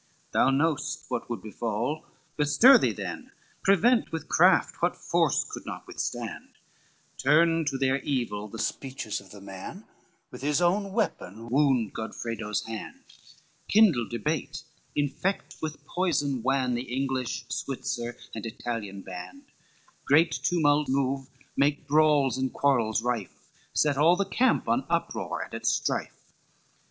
III "Thou knowest what would befall, bestir thee than; Prevent with craft, what force could not withstand, Turn to their evil the speeches of the man, With his own weapon wound Godfredo's hand; Kindle debate, infect with poison wan The English, Switzer, and Italian band, Great tumult move, make brawls and quarrels rife, Set all the camp on uproar and at strife.